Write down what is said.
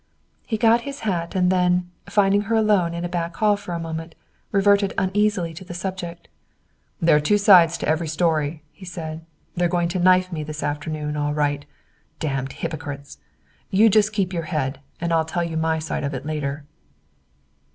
He got his hat and then, finding her alone in a back hall for a moment, reverted uneasily to the subject. "There are two sides to every story," he said. "They're going to knife me this afternoon, all right. Damned hypocrites! You just keep your head, and I'll tell you my side of it later."